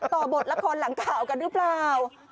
บทละครหลังข่าวกันหรือเปล่า